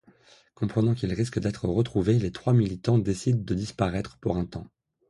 Comprenant qu'ils risquent d'être retrouvés, les trois militants décident de disparaître pour un temps.